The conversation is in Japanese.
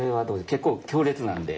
結構強烈なんで。